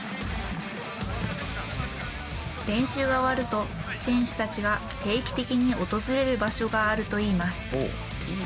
練習が終わると選手たちが定期的に訪れる場所があるといいます。